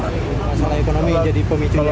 masalah ekonomi jadi pemicunya